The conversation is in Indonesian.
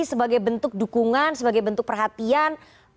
sebagai bentuk dukungan sebagai bentuk perhatian